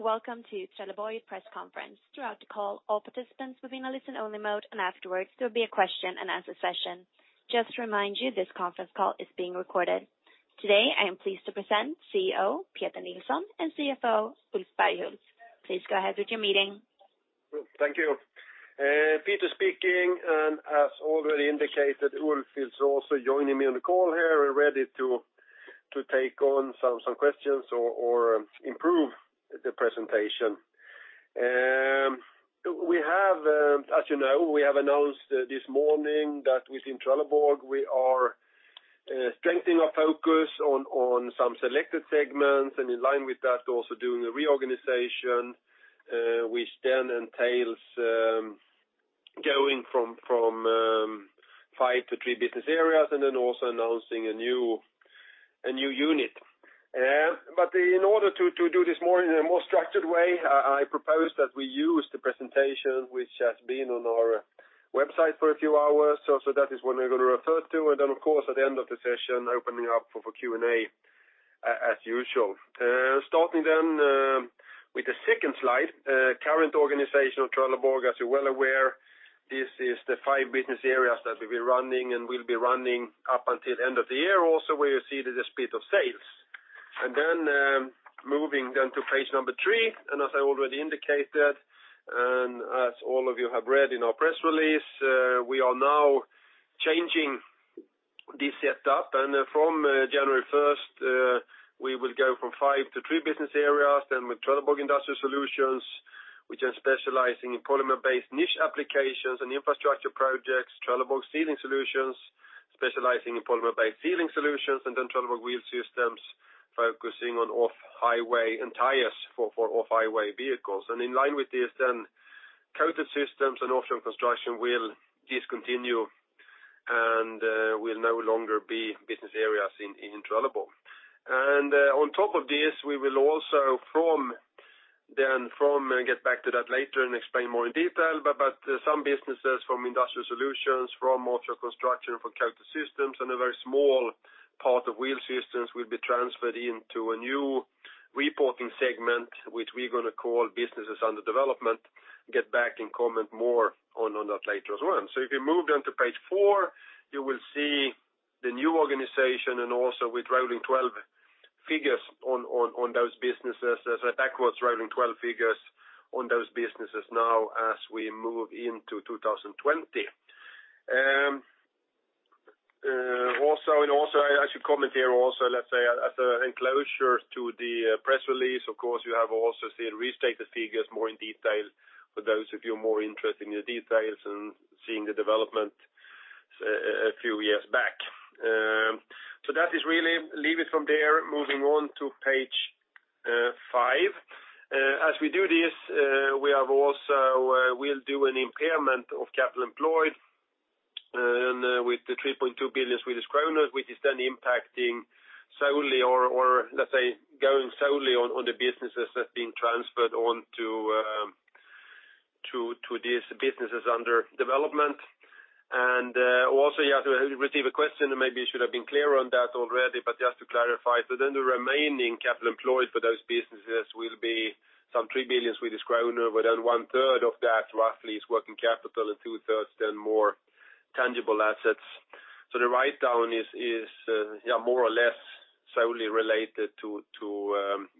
Hello, welcome to Trelleborg press conference. Throughout the call, all participants will be in a listen-only mode, and afterwards there will be a question and answer session. Just to remind you, this conference call is being recorded. Today, I am pleased to present CEO Peter Nilsson and CFO Ulf Berghult. Please go ahead with your meeting. Thank you. Peter speaking, as already indicated, Ulf is also joining me on the call here and ready to take on some questions or improve the presentation. As you know, we have announced this morning that within Trelleborg, we are strengthening our focus on some selected segments, in line with that, also doing a reorganization, which then entails going from five to three business areas, also announcing a new unit. In order to do this in a more structured way, I propose that we use the presentation which has been on our website for a few hours. That is what we're going to refer to, of course, at the end of the session, opening up for Q&A as usual. Starting with the second slide, current organization of Trelleborg, as you're well aware, this is the five business areas that we've been running and will be running up until end of the year also, where you see the split of sales. Moving down to page number three, as I already indicated, as all of you have read in our press release, we are now changing this setup. From January 1st, we will go from five to three business areas, with Trelleborg Industrial Solutions, which are specializing in polymer-based niche applications and infrastructure projects, Trelleborg Sealing Solutions, specializing in polymer-based sealing solutions, Trelleborg Wheel Systems, focusing on off-highway and tires for off-highway vehicles. In line with this, Coated Systems and Offshore and Construction will discontinue and will no longer be business areas in Trelleborg. On top of this, we will also, I'll get back to that later and explain more in detail, but some businesses from Industrial Solutions, from Trelleborg Offshore & Construction, from Trelleborg Coated Systems, and a very small part of Trelleborg Wheel Systems will be transferred into a new reporting segment, which we're going to call Businesses Under Development. Get back and comment more on that later as well. If you move down to page four, you will see the new organization, and also with rolling 12 figures on those businesses as backwards rolling 12 figures on those businesses now as we move into 2020. I should comment here also, let's say as an enclosure to the press release, of course, you have also seen restated figures more in detail for those of you more interested in the details and seeing the development a few years back. That is really leave it from there, moving on to page five. As we do this, we'll do an impairment of capital employed, and with the 3.2 billion Swedish kronor, which is then impacting solely, or let's say, going solely on the businesses that have been transferred on to these Businesses Under Development. To receive a question, and maybe you should have been clear on that already, just to clarify, the remaining capital employed for those businesses will be some 3 billion, where then one third of that roughly is working capital and two thirds then more tangible assets. The write-down is more or less solely related to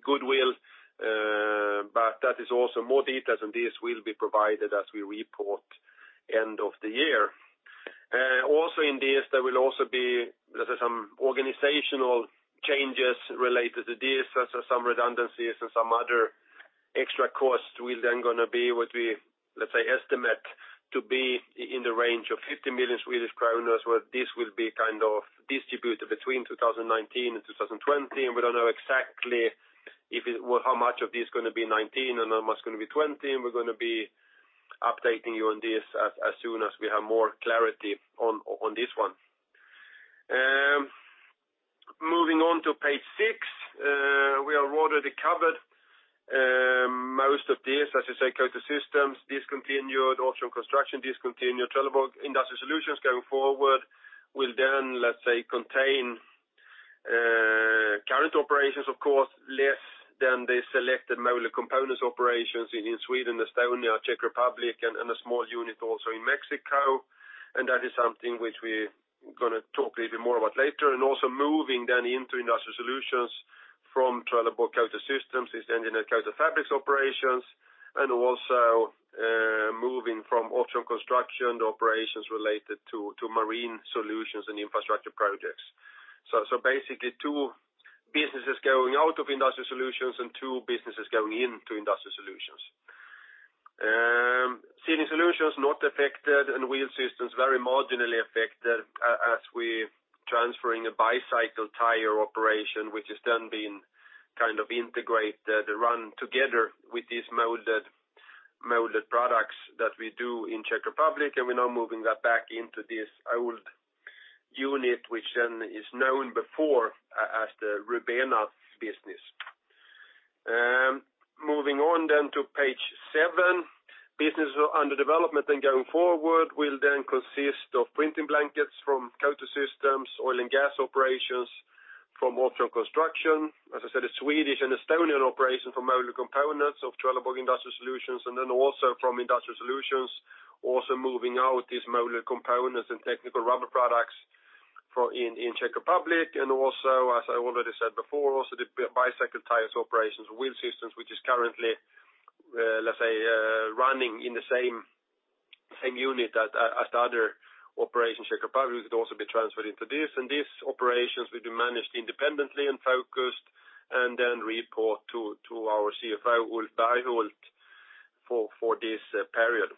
goodwill, that is also more details on this will be provided as we report end of the year. Also in this, there will also be, let's say, some organizational changes related to this. Some redundancies and some other extra costs will going to be what we, let's say, estimate to be in the range of 50 million Swedish kronor, where this will be distributed between 2019 and 2020, and we don't know exactly how much of this is going to be 2019 and how much is going to be 2020, and we're going to be updating you on this as soon as we have more clarity on this one. Moving on to page six, we have already covered most of this. As I say, Coated Systems discontinued, Offshore and Construction discontinued. Trelleborg Industrial Solutions going forward will then, let's say, contain current operations, of course, less than the selected molded components operations in Sweden, Estonia, Czech Republic, and a small unit also in Mexico. That is something which we're going to talk a little bit more about later. Also moving then into Industrial Solutions from Trelleborg Coated Systems is then in a coated fabrics operations, also moving from Offshore and Construction to operations related to marine solutions and infrastructure projects. Basically two businesses going out of Industrial Solutions and two businesses going into Industrial Solutions. Sealing Solutions not affected, and Wheel Systems very marginally affected as we're transferring a bicycle tire operation, which has then been integrated to run together with these molded components that we do in Czech Republic, and we're now moving that back into this old unit, which then is known before as the Rubena business. Moving on then to page seven. Businesses Under Development going forward will then consist of printing blankets from Coated Systems, oil and gas operations from Offshore & Construction, as I said, a Swedish and Estonian operation from molded components of Trelleborg Industrial Solutions, also from Industrial Solutions, also moving out these molded components and technical rubber products in Czech Republic, as I already said before, also the bicycle tires operations Wheel Systems, which is currently running in the same unit as the other operations in Czech Republic could also be transferred into this. These operations will be managed independently and focused, then report to our CFO, Ulf Berghult, for this period.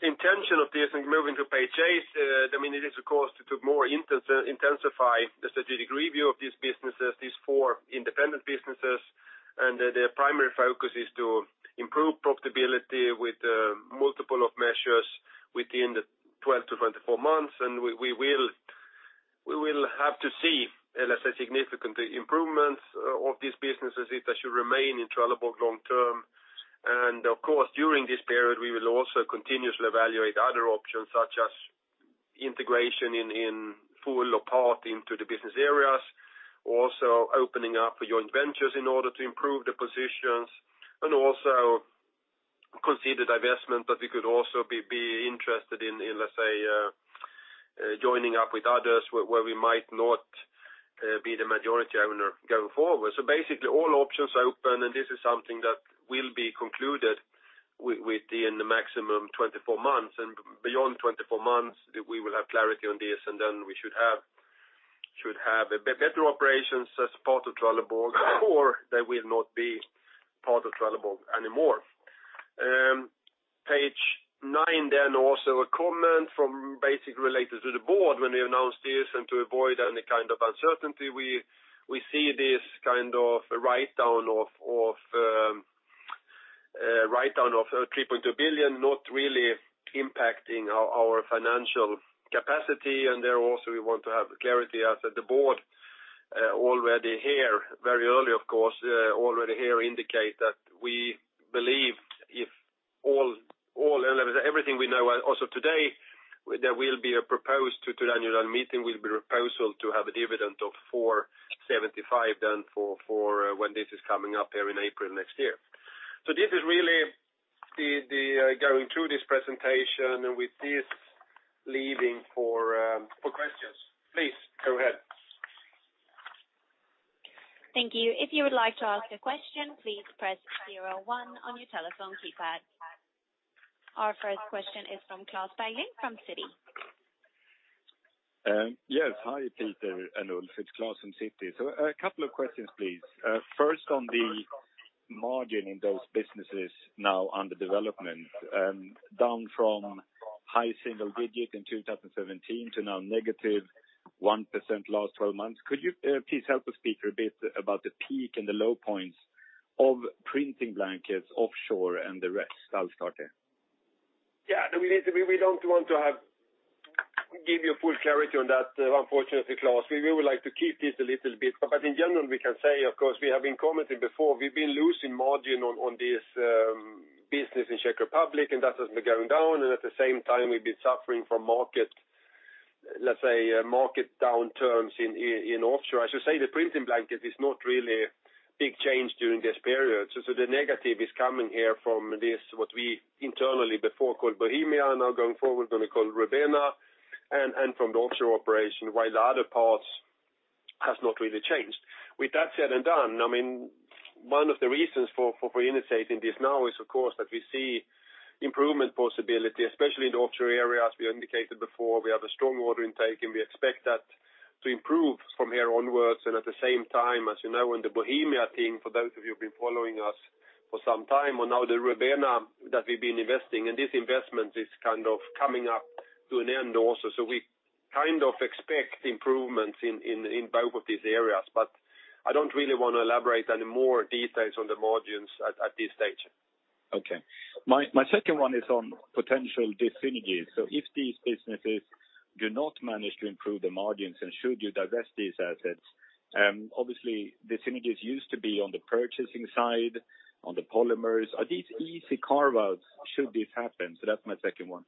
Intention of this moving to page 8, it is, of course, to more intensify the strategic review of these businesses, these four independent businesses, and their primary focus is to improve profitability with multiple of measures within the 12 to 24 months. We will have to see, let's say, significant improvements of these businesses if they should remain in Trelleborg long term. Of course, during this period, we will also continuously evaluate other options such as integration in full or part into the business areas, also opening up for joint ventures in order to improve the positions, also consider divestment, we could also be interested in, let's say, joining up with others where we might not be the majority owner going forward. Basically, all options are open, and this is something that will be concluded within the maximum 24 months. Beyond 24 months, we will have clarity on this, then we should have better operations as part of Trelleborg, they will not be part of Trelleborg anymore. Page nine, also a comment from Klas related to the board when we announced this and to avoid any kind of uncertainty, we see this kind of write-down of 3.2 billion not really impacting our financial capacity. There also we want to have clarity as the board already here, very early, of course, already here indicate that we believe if everything we know also today, there will be a proposal to the annual meeting, will be a proposal to have a dividend of 4.75 then for when this is coming up here in April next year. This is really going through this presentation, and with this, leaving for questions. Please go ahead. Thank you. If you would like to ask a question, please press 01 on your telephone keypad. Our first question is from Klas Bergelind from Citi. Yes. Hi, Peter and Ulf. It's Klas from Citi. A couple of questions, please. First, on the margin in those Businesses Under Development, down from high single digits in 2017 to now negative 1% last 12 months. Could you please help us speak for a bit about the peak and the low points of printing blankets offshore and the rest? I'll start there. We don't want to give you full clarity on that, unfortunately, Klas. We would like to keep this a little bit. In general, we can say, of course, we have been commenting before, we've been losing margin on this business in Czech Republic, and that has been going down, and at the same time, we've been suffering from market downturns in Offshore. I should say the printing blanket is not really a big change during this period. The negative is coming here from this, what we internally before called Bohemia, now going forward, going to call Rubena, and from the Offshore operation, while the other parts has not really changed. With that said and done, one of the reasons for initiating this now is, of course, that we see improvement possibility, especially in the Offshore area. As we indicated before, we have a strong order intake, and we expect that to improve from here onwards. At the same time, as you know, in the Bohemia team, for those of you who've been following us for some time, or now the Rubena that we've been investing, and this investment is coming up to an end also. We expect improvements in both of these areas, but I don't really want to elaborate any more details on the margins at this stage. Okay. My second one is on potential dissynergies. If these businesses do not manage to improve the margins, and should you divest these assets, obviously, dissynergies used to be on the purchasing side, on the polymers. Are these easy carve-outs should this happen? That's my second one.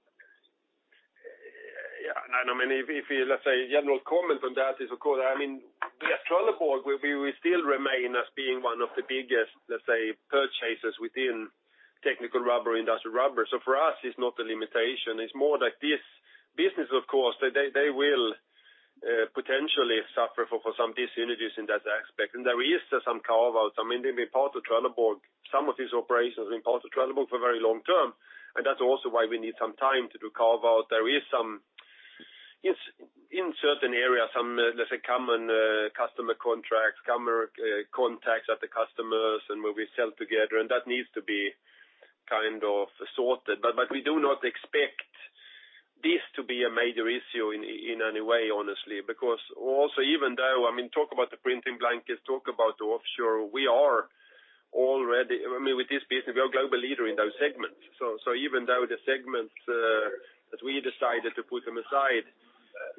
Yeah, if a general comment on that is, of course, Trelleborg will still remain as being one of the biggest purchasers within technical rubber, industrial rubber. For us, it's not a limitation. It's more like this business, of course, they will potentially suffer for some dissynergies in that aspect. There is some carve-outs. They've been part of Trelleborg, some of these operations have been part of Trelleborg for a very long term, and that's also why we need some time to do carve-out. There is some, in certain areas, some common customer contracts, common contacts at the customers and where we sell together, and that needs to be sorted. We do not expect this to be a major issue in any way, honestly, because also even though, talk about the printing blankets, talk about the offshore, we are already, with this business, we are a global leader in those segments. Even though the segments that we decided to put them aside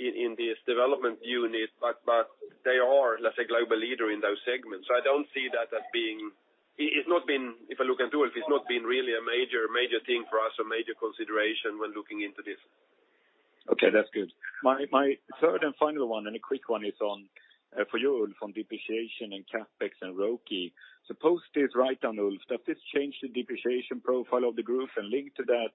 in this development unit, but they are, let's say, global leader in those segments. I don't see that as being If I look at Ulf, it's not been really a major thing for us or major consideration when looking into this. Okay, that's good. My third and final one, and a quick one, is for you, Ulf, on depreciation and CapEx and ROCE. Suppose this write-down, Ulf, does this change the depreciation profile of the group? Linked to that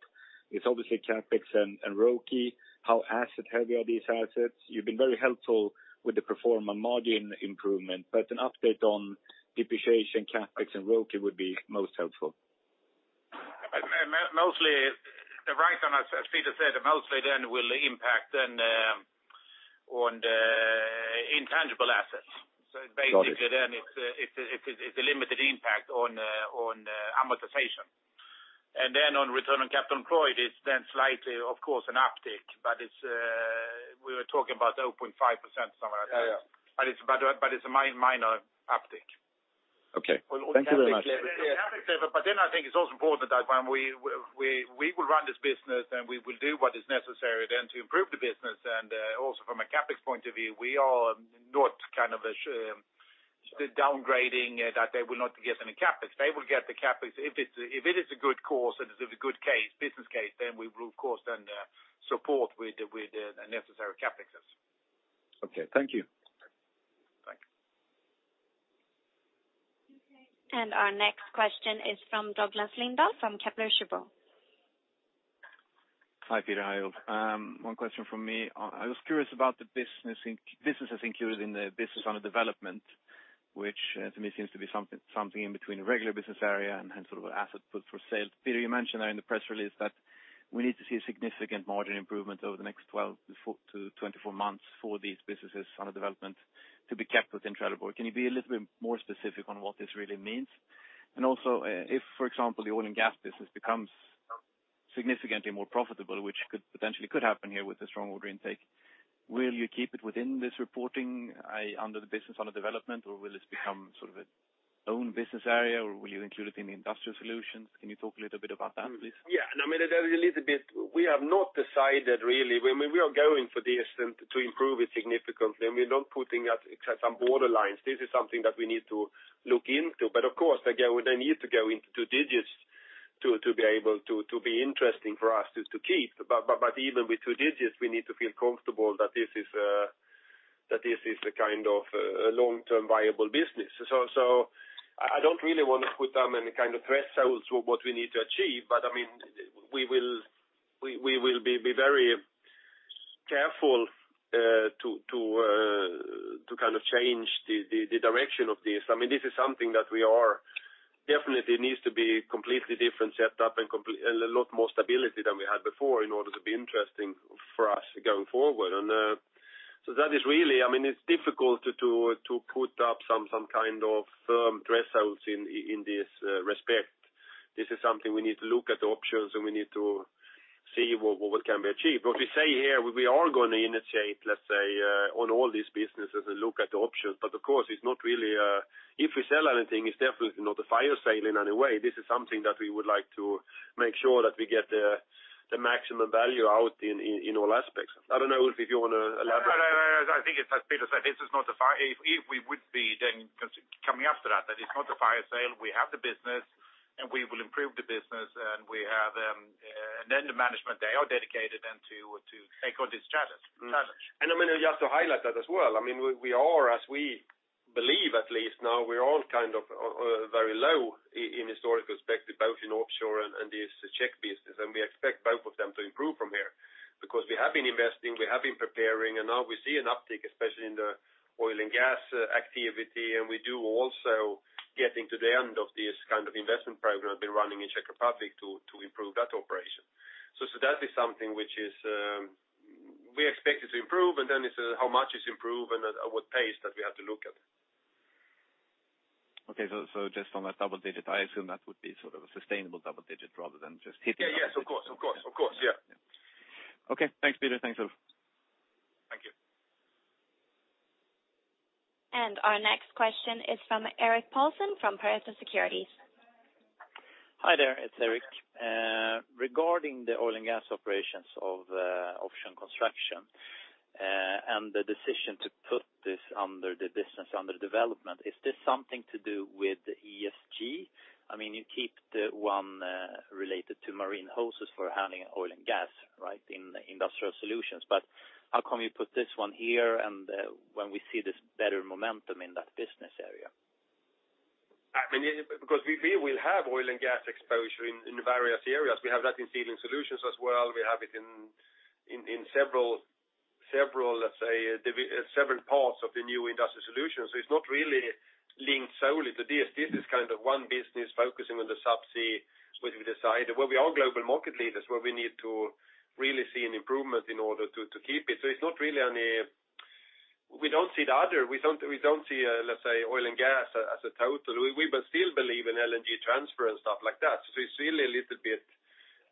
is obviously CapEx and ROCE, how asset-heavy are these assets? You've been very helpful with the performance margin improvement, an update on depreciation, CapEx, and ROCE would be most helpful. Mostly, right on, as Peter said, mostly then will impact on the intangible assets. Got it. Basically then it's a limited impact on amortization. Then on return on capital employed, it's then slightly, of course, an uptick, but we were talking about 0.5%, somewhere like that. Yes. It's a minor uptick. Okay. Thank you very much. I think it's also important that we will run this business, and we will do what is necessary then to improve the business. From a CapEx point of view, we are not downgrading that they will not get any CapEx. They will get the CapEx. If it is a good course and it's a good business case, then we will, of course, then support with the necessary CapExes. Okay. Thank you. Thanks. Our next question is from Douglas Lindahl from Kepler Cheuvreux. Hi, Peter. Hi, Ulf. One question from me. I was curious about the businesses included in the Businesses Under Development, which to me seems to be something in between a regular business area and sort of an asset put for sale. Peter, you mentioned there in the press release that we need to see a significant margin improvement over the next 12-24 months for these Businesses Under Development to be kept within Trelleborg. Can you be a little bit more specific on what this really means? Also, if, for example, the oil and gas business becomes significantly more profitable, which potentially could happen here with the strong order intake, will you keep it within this reporting under the Businesses Under Development, or will this become sort of its own business area, or will you include it in the Industrial Solutions? Can you talk a little bit about that, please? We have not decided really. We are going for this and to improve it significantly, and we are not putting up some borderlines. This is something that we need to look into. Of course, they need to go into digits to be able to be interesting for us to keep. Even with two digits, we need to feel comfortable that this is a kind of long-term viable business. I don't really want to put down any kind of thresholds what we need to achieve, but we will be very careful to change the direction of this. This is something that definitely needs to be completely different set up and a lot more stability than we had before in order to be interesting for us going forward. It's difficult to put up some kind of firm thresholds in this respect. This is something we need to look at the options, and we need to see what can be achieved. What we say here, we are going to initiate, let's say, on all these businesses and look at the options, but of course, if we sell anything, it's definitely not a fire sale in any way. This is something that we would like to make sure that we get the maximum value out in all aspects. I don't know, Ulf, if you want to elaborate. I think it's as Peter said, if we would be then coming after that it's not a fire sale, we have the business, and we will improve the business, and then the management, they are dedicated then to take on this challenge. Just to highlight that as well. We are, as we believe at least now, we are all kind of very low in historical perspective, both in offshore and this Czech business, and we expect both of them to improve from here because we have been investing, we have been preparing, and now we see an uptick, especially in the oil and gas activity, and we do also getting to the end of this kind of investment program been running in Czech Republic to improve that operation. That is something which we expect it to improve, and then it's how much is improved and at what pace that we have to look at. Okay. Just on that double digit, I assume that would be sort of a sustainable double digit rather than just hitting-. Yes, of course. Okay. Thanks, Peter. Thanks, Ulf. Thank you. Our next question is from Erik Paulsen from Pareto Securities. Hi there, it's Erik. Regarding the oil and gas operations of the Offshore & Construction and the decision to put this under the Businesses Under Development, is this something to do with ESG? You keep the one related to marine hoses for handling oil and gas, right, in the Industrial Solutions? How come you put this one here and when we see this better momentum in that business area? We will have oil and gas exposure in various areas. We have that in Trelleborg Sealing Solutions as well. We have it in several parts of the new Trelleborg Industrial Solutions. It's not really linked solely to this. This is kind of one business focusing on the subsea, where we decide where we are global market leaders, where we need to really see an improvement in order to keep it. We don't see it either. We don't see, let's say, oil and gas as a total. We still believe in LNG transfer and stuff like that. It's really a little bit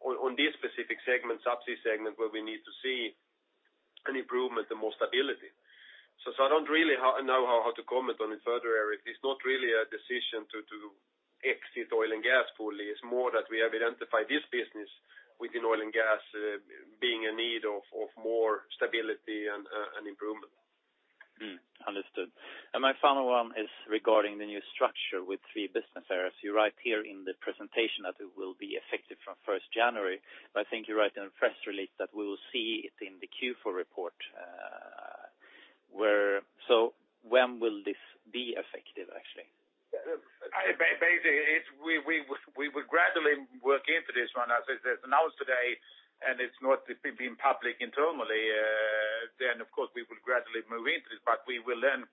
on this specific segment, subsea segment, where we need to see an improvement and more stability. I don't really know how to comment on it further, Erik. It's not really a decision to exit oil and gas fully. It's more that we have identified this business within oil and gas being in need of more stability and improvement. Understood. My final one is regarding the new structure with three business areas. You write here in the presentation that it will be effective from 1st January, but I think you write in the press release that we will see it in the Q4 report. When will this be effective, actually? We will gradually work into this one. As it's announced today, and it's not been public internally, then of course, we will gradually move into this. We will then,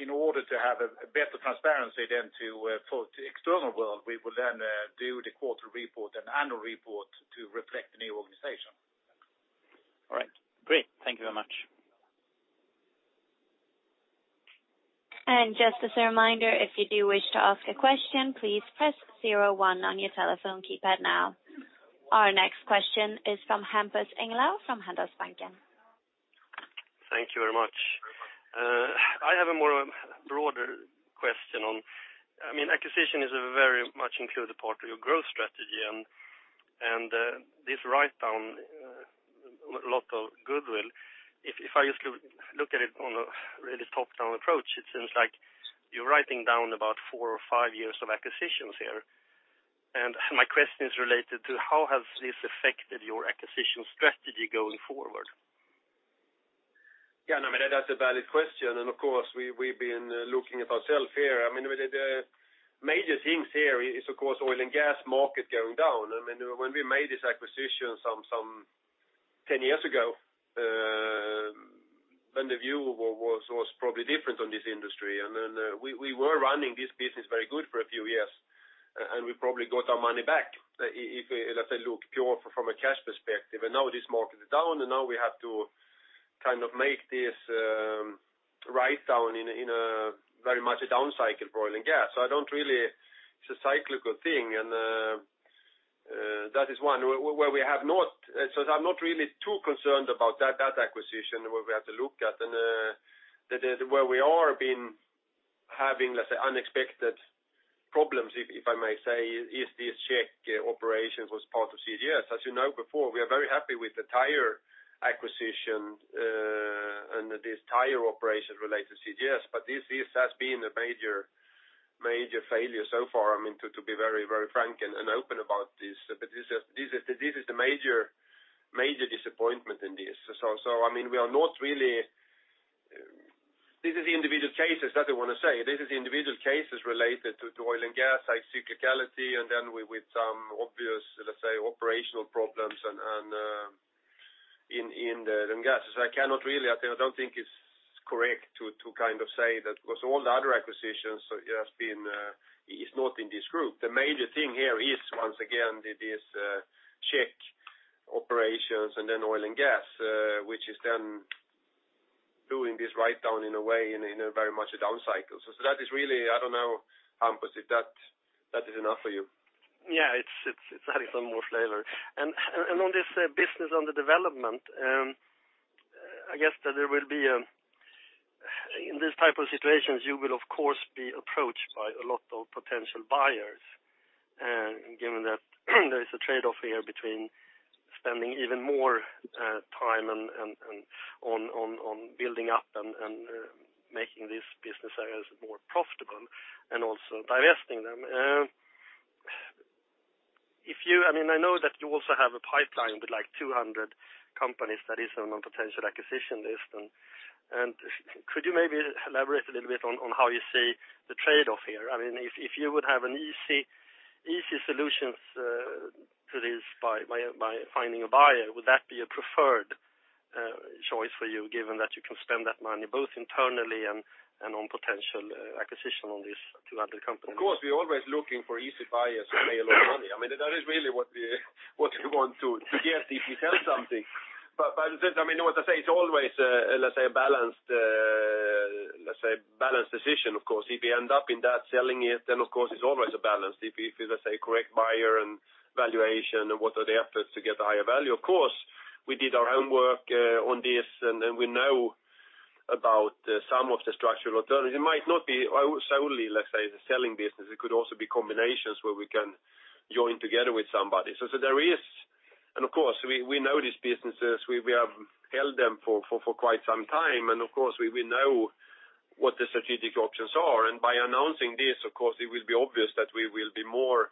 in order to have a better transparency then to the external world, we will then do the quarter report and annual report to reflect the new organization. All right, great. Thank you very much. Just as a reminder, if you do wish to ask a question, please press 01 on your telephone keypad now. Our next question is from Hampus Engellau, from Handelsbanken. Thank you very much. I have a more broader question. Acquisition is a very much included part of your growth strategy, and this write-down a lot of goodwill. If I just look at it on a really top-down approach, it seems like you're writing down about four or five years of acquisitions here. My question is related to how has this affected your acquisition strategy going forward? That's a valid question, and of course, we've been looking at ourself here. The major things here is of course oil and gas market going down. When we made this acquisition some 10 years ago, the view was probably different on this industry. We were running this business very good for a few years, and we probably got our money back, if I look pure from a cash perspective. Now this market is down, and now we have to make this write-down in a very much a down cycle for oil and gas. It's a cyclical thing, and that is one where we have not. I'm not really too concerned about that acquisition, where we have to look at. Where we are having, let's say, unexpected problems, if I may say, is this Czech operations was part of CGS. As you know, before, we are very happy with the tire acquisition, and this tire operation related to CGS, but this has been a major failure so far, to be very frank and open about this. This is the major disappointment in this. This is the individual cases that I want to say. This is individual cases related to oil and gas, like cyclicality, and then with some obvious, let's say, operational problems in gas. I don't think it's correct to say that because all the other acquisitions is not in this group. The major thing here is, once again, this Czech operations and then oil and gas, which is then doing this write-down in a way in a very much a down cycle. I don't know, Hampus, if that is enough for you. Yeah, it's adding some more flavor. On this Businesses Under Development, I guess that In these type of situations, you will of course be approached by a lot of potential buyers, given that there is a trade-off here between spending even more time on building up and making these business areas more profitable and also divesting them. I know that you also have a pipeline with 200 companies that is on a potential acquisition list. Could you maybe elaborate a little bit on how you see the trade-off here? If you would have an easy solution to this by finding a buyer, would that be a preferred choice for you, given that you can spend that money both internally and on potential acquisition on these 200 companies? We're always looking for easy buyers who pay a lot of money. That is really what we want to get if we sell something. What I say, it's always a, let's say, balanced decision, of course. If we end up in that selling it, of course it's always a balance. If there's a correct buyer and valuation and what are the efforts to get the higher value. We did our homework on this, we know about some of the structural alternatives. It might not be solely, let's say, the selling business. It could also be combinations where we can join together with somebody. We know these businesses. We have held them for quite some time, we know what the strategic options are. By announcing this, of course, it will be obvious that we will be more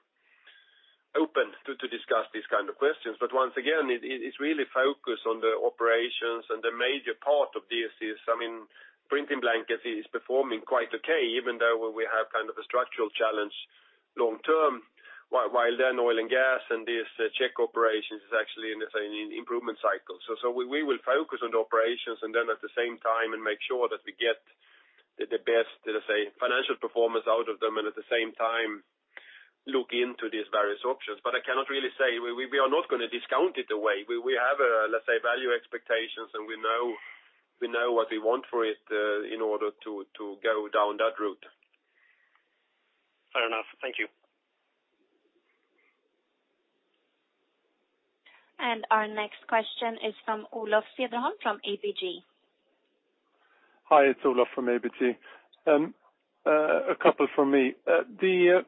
open to discuss these kind of questions. Once again, it's really focused on the operations, and the major part of this is Printing Blankets is performing quite okay, even though we have a structural challenge long term, while then oil and gas and this Czech operation is actually in an improvement cycle. We will focus on the operations and then at the same time and make sure that we get the best, let us say, financial performance out of them and at the same time look into these various options. I cannot really say. We are not going to discount it away. We have a, let's say, value expectations, and we know what we want for it in order to go down that route. Fair enough. Thank you. Our next question is from Olof Cederholm from ABG. Hi, it's Olof from ABG. A couple from me. The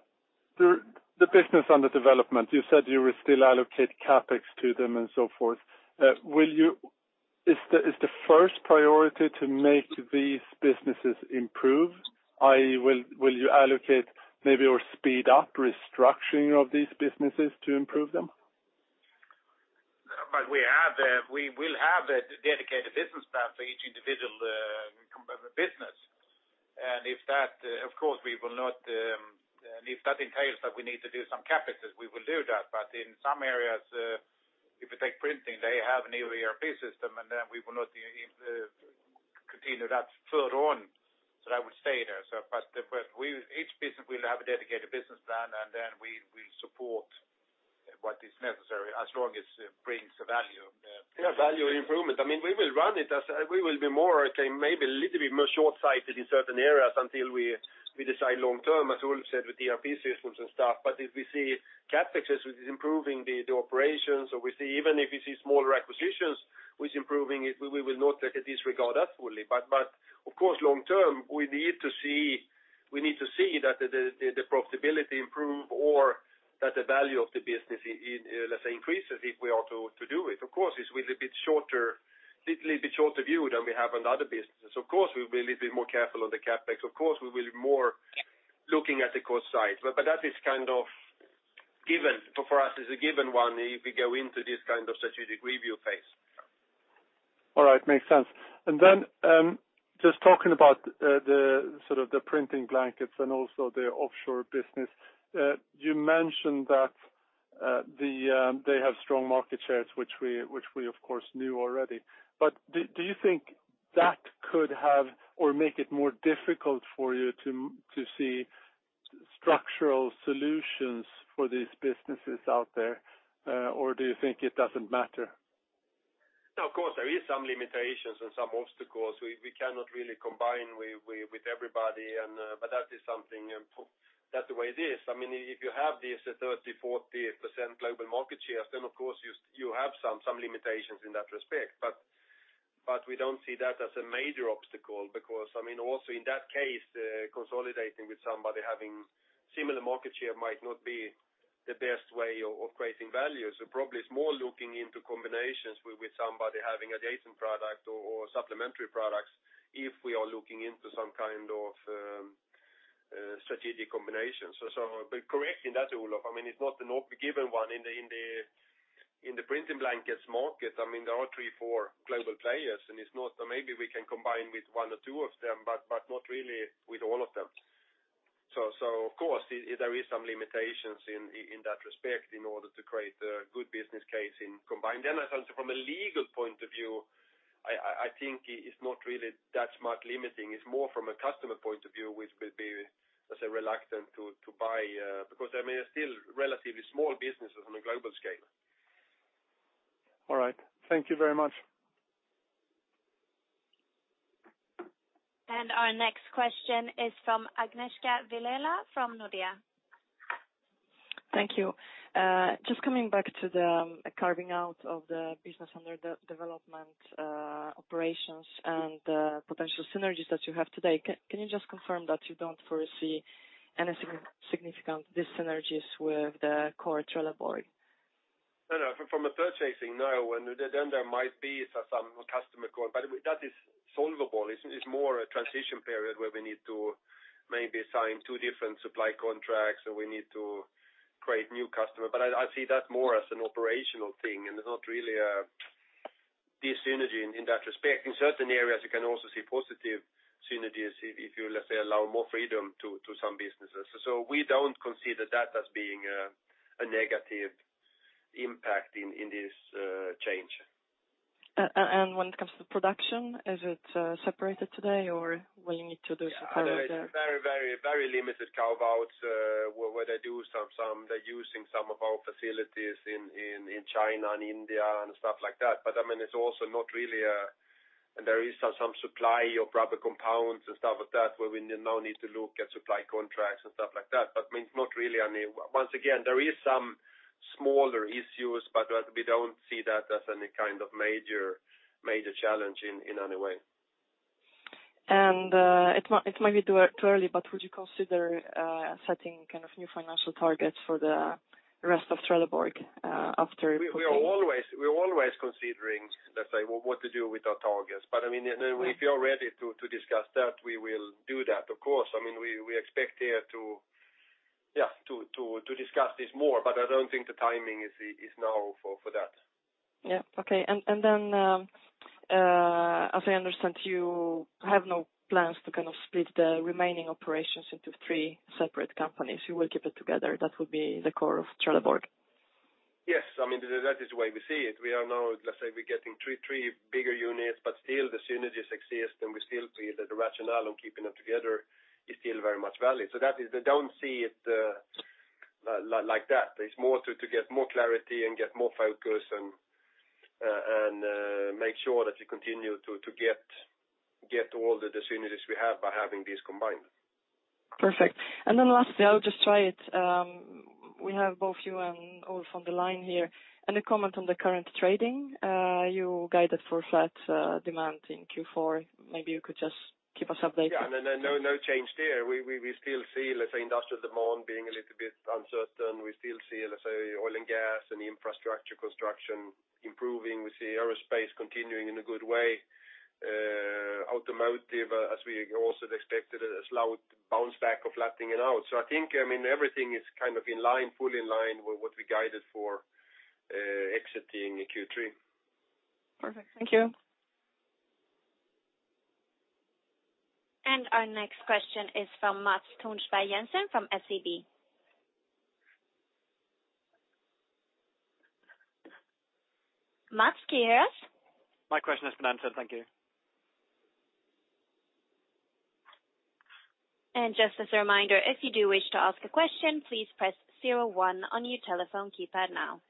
Businesses Under Development, you said you will still allocate CapEx to them and so forth. Is the first priority to make these businesses improve? Will you allocate maybe or speed up restructuring of these businesses to improve them? We will have a dedicated business plan for each individual business. If that entails that we need to do some CapEx, we will do that. In some areas, if you take printing, they have a new ERP system, we will not continue that further on. That would stay there. Each business will have a dedicated business plan, we will support what is necessary as long as it brings value. Yes, value improvement. We will run it as we will be more, maybe a little bit more short-sighted in certain areas until we decide long-term, as Olof said, with ERP systems and stuff. If we see CapEx as improving the operations, or even if we see smaller acquisitions, which improving it, we will not disregard that fully. Of course, long term, we need to see that the profitability improve or that the value of the business increases if we are to do it. Of course, it will a little bit shorter view than we have on other businesses. Of course, we'll be a little bit more careful on the CapEx. Of course, we will more looking at the cost side. That is given. For us, it's a given one if we go into this kind of strategic review phase. All right. Makes sense. Just talking about the printing blankets and also the Offshore business, you mentioned that they have strong market shares, which we, of course, knew already. Do you think that could have or make it more difficult for you to see structural solutions for these businesses out there? Or do you think it doesn't matter? Of course, there is some limitations and some obstacles. We cannot really combine with everybody, but that's the way it is. If you have this 30%-40% global market share, then of course you have some limitations in that respect. We don't see that as a major obstacle because, also in that case, consolidating with somebody having similar market share might not be the best way of creating value. Probably it's more looking into combinations with somebody having adjacent product or supplementary products if we are looking into some kind of strategic combination. Correct in that, Olof. It's not a given one in the printing blankets market. There are 3-4 global players, and maybe we can combine with 1 or 2 of them, but not really with all of them. Of course, there is some limitations in that respect in order to create a good business case in combining. Also from a legal point of view, I think it's not really that much limiting. It's more from a customer point of view, which could be, let's say, reluctant to buy, because they may still relatively small businesses on a global scale. All right. Thank you very much. Our next question is from Agnieszka Vilela from Nordea. Thank you. Coming back to the carving out of the Businesses Under Development operations and the potential synergies that you have today. Can you just confirm that you don't foresee any significant dis-synergies with the core Trelleborg? No. From a purchasing, no. There might be some customer core. By the way, that is solvable. It's more a transition period where we need to maybe sign two different supply contracts or we need to create new customer. I see that more as an operational thing, and not really a dis-synergy in that respect. In certain areas, you can also see positive synergies if you, let's say, allow more freedom to some businesses. We don't consider that as being a negative impact in this change. When it comes to production, is it separated today, or will you need to do? There is very limited carve-outs, where they're using some of our facilities in China and India and stuff like that. It's also not really and there is some supply of rubber compounds and stuff like that where we now need to look at supply contracts and stuff like that. Once again, there is some smaller issues, but we don't see that as any kind of major challenge in any way. It's maybe too early, but would you consider setting new financial targets for the rest of Trelleborg? We are always considering, let's say, what to do with our targets. When we feel ready to discuss that, we will do that, of course. We expect here to discuss this more, but I don't think the timing is now for that. Yeah. Okay. As I understand, you have no plans to split the remaining operations into three separate companies. You will keep it together. That would be the core of Trelleborg. Yes. That is the way we see it. We are now, let's say, we're getting three bigger units, but still the synergies exist, and we still see the rationale on keeping them together is still very much valid. Don't see it like that. It's more to get more clarity and get more focus and make sure that we continue to get all the synergies we have by having these combined. Perfect. Lastly, I'll just try it. We have both you and Olof on the line here. Any comment on the current trading? You guided for flat demand in Q4. Maybe you could just keep us updated. Yeah. No change there. We still see, let's say, industrial demand being a little bit uncertain. We still see, let's say, oil and gas and the infrastructure construction improving. We see aerospace continuing in a good way. Automotive, as we also expected, a slow bounce back of flattening out. I think everything is fully in line with what we guided for exiting Q3. Perfect. Thank you. Our next question is from Mads Tønsberg-Jensen from SEB. Mads, can you hear us? My question has been answered. Thank you. Just as a reminder, if you do wish to ask a question, please press 01 on your telephone keypad now.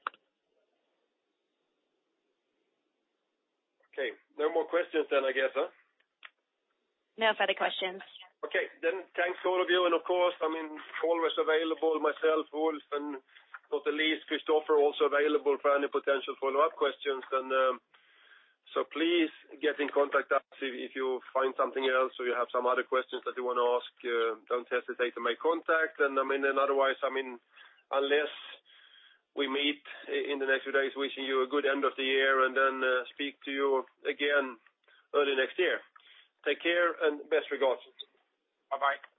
Okay. No more questions then, I guess, huh? No further questions. Okay. Thanks all of you, and of course, always available myself, Olof, and not the least, Christofer also available for any potential follow-up questions. Please get in contact us if you find something else or you have some other questions that you want to ask, don't hesitate to make contact. Otherwise, unless we meet in the next few days, wishing you a good end of the year, and then speak to you again early next year. Take care and best regards. Bye-bye.